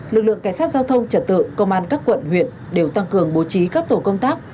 lực lượng cảnh sát giao thông trật tự công an các quận huyện đều tăng cường bố trí các tổ công tác